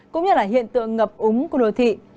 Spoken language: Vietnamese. cũng như hiện tượng ngập úng của đô thị